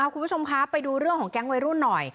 คุณผู้ชมคะไปดูเรื่องของแก๊งวัยรุ่นหน่อย